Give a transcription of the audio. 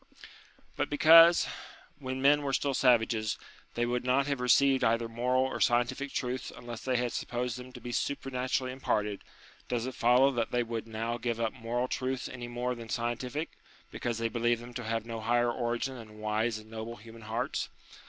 But because, when men were still savages, they would not have received either moral or scientific truths unless they had supposed them to be super naturally imparted, does it follow that they would now give up moral truths any more than scien tific, because they believed them to have no higher origin than wise and noble human hearts